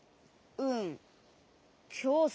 うん。